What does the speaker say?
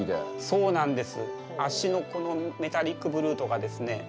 そうなんです。